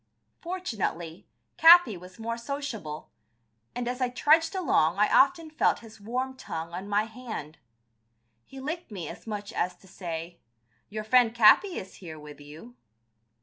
Fortunately, Capi was more sociable, and as I trudged along I often felt his warm tongue on my hand. He licked me as much as to say, "Your friend, Capi, is here with you."